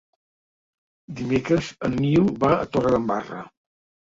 Dimecres en Nil va a Torredembarra.